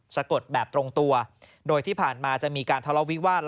สะกดแบบตรงตัวโดยที่ผ่านมาจะมีการทะเลาะวิวาส